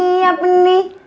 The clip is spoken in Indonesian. an yang biasa dan